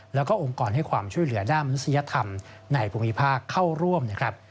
แล้วก็องค์กรให้ความช่วยเหลือด้านมนุษยธรรมในภูมิภาคเข้าร่วมนะครับ